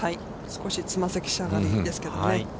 少しつま先下がりですけどね。